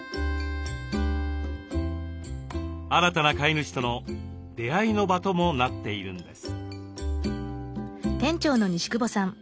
新たな飼い主との出会いの場ともなっているんです。